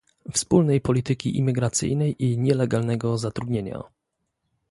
wspólnej polityki imigracyjnej i nielegalnego zatrudnienia